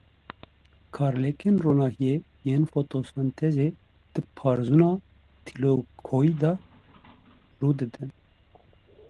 Karlêkên ronahiyê yên fotosentezê di parzûna tîlakoîdê de rû didin.